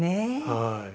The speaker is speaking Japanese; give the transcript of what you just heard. はい。